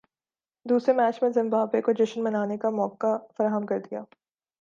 دوسرے میچ میں زمبابوے کو جشن منانے کا موقع فراہم کردیا